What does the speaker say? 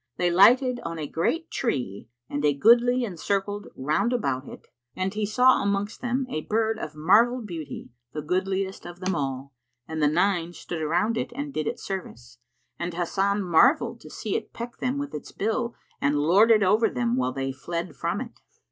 They lighted on a great tree and a goodly and circled round about it; and he saw amongst them a bird of marvel beauty, the goodliest of them all, and the nine stood around it and did it service; and Hasan marvelled to see it peck them with its bill and lord it over them while they fled from it.